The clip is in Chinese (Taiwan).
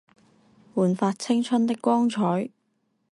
煥發青春的光彩